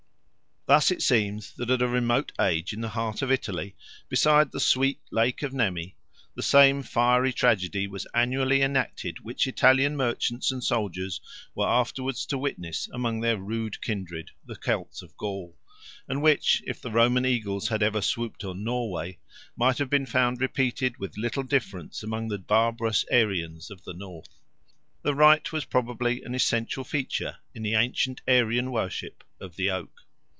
Thus it seems that at a remote age in the heart of Italy, beside the sweet Lake of Nemi, the same fiery tragedy was annually enacted which Italian merchants and soldiers were afterwards to witness among their rude kindred, the Celts of Gaul, and which, if the Roman eagles had ever swooped on Norway, might have been found repeated with little difference among the barbarous Aryans of the North. The rite was probably an essential feature in the ancient Aryan worship of the oak.